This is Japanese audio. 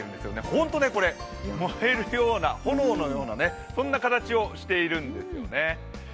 ホントこれ、燃えるような炎のような形をしているんですよね。